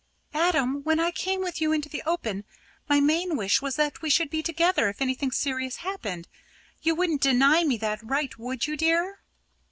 "Adam, when I came with you into the open, my main wish was that we should be together if anything serious happened. You wouldn't deny me that right, would you, dear?"